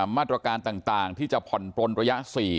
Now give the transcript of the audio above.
มาตรการต่างที่จะผ่อนปลนระยะ๔